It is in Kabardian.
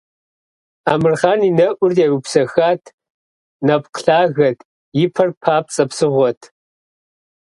Амырхъан и нэӀур еупсэхат, нэпкъ лъагэт, и пэр папцӀэ псыгъуэт.